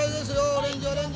オレンジオレンジ。